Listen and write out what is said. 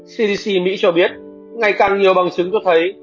cdc mỹ cho biết ngày càng nhiều bằng chứng cho thấy